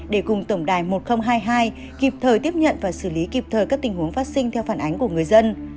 để cùng tổng đài một nghìn hai mươi hai kịp thời tiếp nhận và xử lý kịp thời các tình huống phát sinh theo phản ánh của người dân